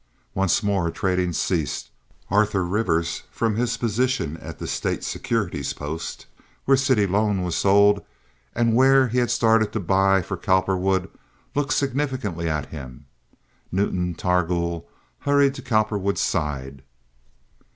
Once more trading ceased. Arthur Rivers, from his position at the State securities post, where city loan was sold, and where he had started to buy for Cowperwood, looked significantly at him. Newton Targool hurried to Cowperwood's side.